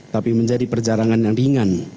tapi menjadi perjalanan yang ringan